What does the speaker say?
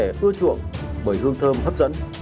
được giới trẻ ưa chuộng bởi hương thơm hấp dẫn